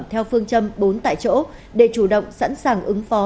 theo phương châm bốn tại chỗ để chủ động sẵn sàng ứng phó